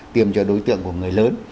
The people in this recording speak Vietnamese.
tiêm cho đối tượng của người lớn